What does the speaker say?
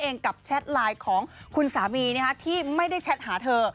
เองกับแชทไลน์ของคุณสามีที่ไม่ได้แชทหาเธอ